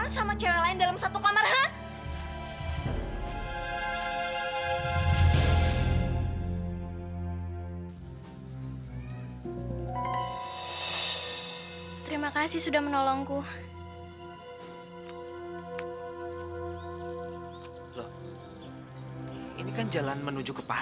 sampai jumpa di video selanjutnya